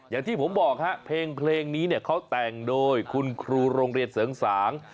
อย่างที่ผมบอกฮะเพลงนี้เนี่ยเขาแต่งโดยคุณครูโรงเรียนเสริงสาง